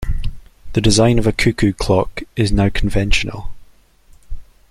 The design of a cuckoo clock is now conventional.